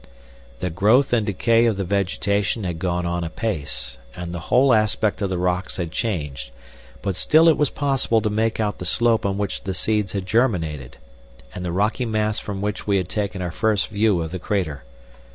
The growth and decay of the vegetation had gone on apace, and the whole aspect of the rocks had changed, but still it was possible to make out the slope on which the seeds had germinated, and the rocky mass from which we had taken our first view of the crater.